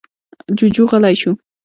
جُوجُو غلی شو.